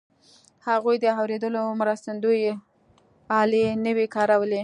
هغوی د اورېدو مرستندويي الې نه وې کارولې